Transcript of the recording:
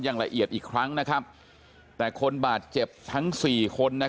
ยังละเอียดอีกครั้งนะครับแต่คนบาดเจ็บทั้ง๔คนนะครับ